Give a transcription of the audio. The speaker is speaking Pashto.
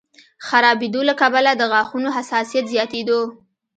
خرابېدو له کبله د غاښونو حساسیت زیاتېدو